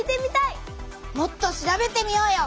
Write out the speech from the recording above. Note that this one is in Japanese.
もっと調べてみようよ！